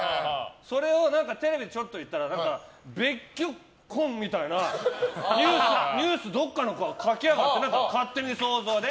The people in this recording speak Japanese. それをテレビでちょっと言ったら別居婚みたいなニュースをどこかが書きやがって勝手に想像で。